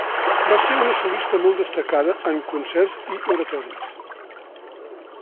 Va ser una solista molt destacada en concerts i oratoris.